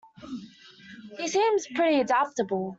He seems pretty adaptable